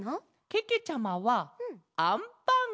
けけちゃまはあんパン。